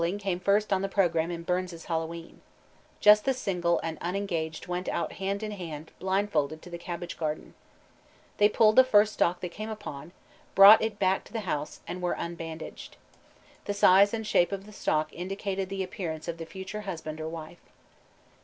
_ Kale pulling came first on the program in Burns's Hallowe'en. Just the single and unengaged went out hand in hand blindfolded to the cabbage garden. They pulled the first stalk they came upon, brought it back to the house, and were unbandaged. The size and shape of the stalk indicated the appearance of the future husband or wife.